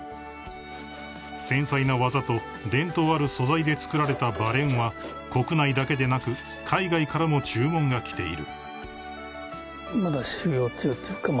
［繊細な技と伝統ある素材で作られたばれんは国内だけでなく海外からも注文が来ている］